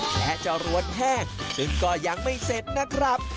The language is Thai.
และจะรวดแห้งซึ่งก็ยังไม่เสร็จนะครับ